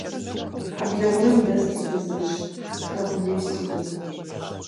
Хьэблэ гуэрым дэст зы фызыжь, хуэкъулейсызу.